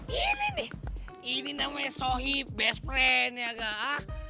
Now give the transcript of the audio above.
ini nih ini namanya sohi best friend ya kak